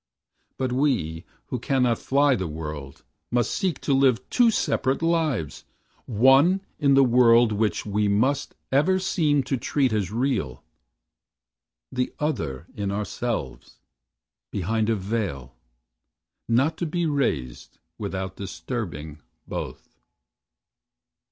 But we, who cannot fly the world, must seek To live two separate lives; one, in the world Which we must ever seem to treat as real; The other in ourselves, behind a veil Not to be raised without disturbing both.